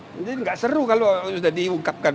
nanti nggak seru kalau sudah diukapkan